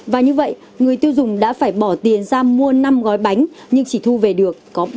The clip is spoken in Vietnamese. và như vậy người tiêu dùng đã phải bỏ tiền ra mua năm gói bánh nhưng chỉ thu về được có ba năm gói